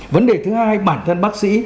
vấn đề thứ hai bản thân bác sĩ